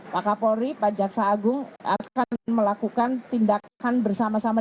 pak kapolri pak jaksa agung akan melakukan tindakan bersama sama